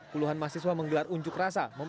puluhan mahasiswa menggelar unjuk rasa